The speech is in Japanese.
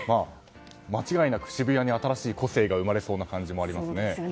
間違いなく渋谷に新しい個性が生まれそうな感じもありますよね。